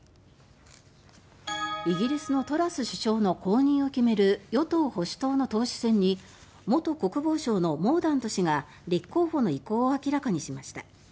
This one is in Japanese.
イギリスのトラス首相の後任を決める与党・保守党の党首選に元国防相のモーダント氏が立候補の意向を明らかにしました。